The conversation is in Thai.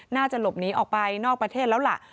น่าจะหลบหนีออกไปนอกประเทศแล้วล่ะ